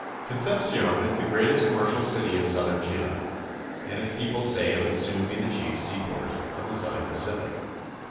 Concepcion is the greatest commercial city of southern Chile, and its people say it will soon be the chief seaport of the southern Pacific.